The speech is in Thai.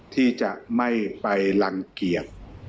ที่จะไม่ไปรังเกียจ